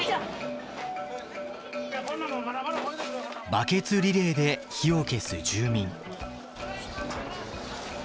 バケツリレーで火を消す住民。